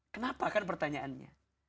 kenapa kan pertanyaannya